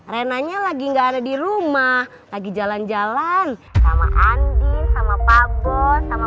rina nya lagi enggak ada di rumah lagi jalan jalan sama andi sama pabos sama